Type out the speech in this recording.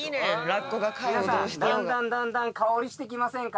皆さんだんだんだんだん香りしてきませんか？